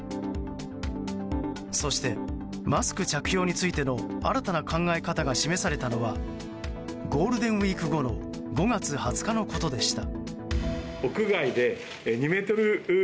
そして、マスク着用についての新たな考え方が示されたのはゴールデンウィーク後の５月２０日のことでした。